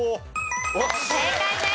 正解です。